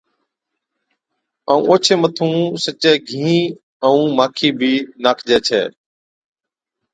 ائُون اوڇي مٿُون سچَي گھِين ائُون مٺائِي بِي ناکجَي ڇَي